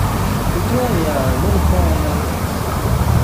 Le toit est à longs-pans en ardoise.